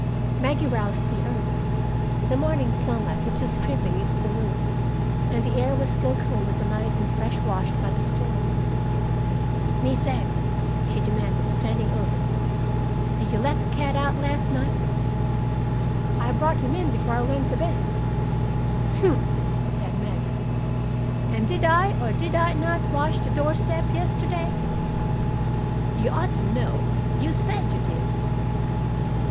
Maggie roused me early. The morning sunlight was just creeping into the room, and the air was still cool with the night and fresh washed by the storm. "Miss Agnes," she demanded, standing over me, "did you let the cat out last night?" "I brought him in before I went to bed." "Humph!" said Maggie. "And did I or did I not wash the doorstep yesterday?" "You ought to know. You said you did."